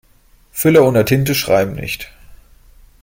Füller ohne Tinte schreiben nicht.